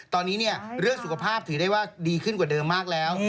ตอนนี้เนี่ยเรื่องสุขภาพถือได้ว่าดีขึ้นกว่าเดิมมากแล้ว